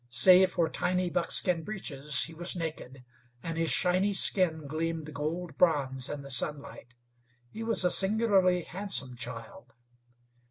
Save for tiny buckskin breeches, he was naked, and his shiny skin gleamed gold bronze in the sunlight. He was a singularly handsome child.